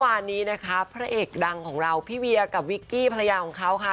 วันนี้นะคะพระเอกดังของเราพี่เวียกับวิกกี้ภรรยาของเขาค่ะ